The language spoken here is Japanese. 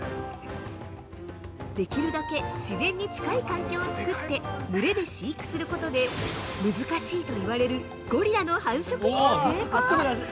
できるだけ自然に近い環境を作って、群れで飼育することで難しいと言われるゴリラの繁殖にも成功！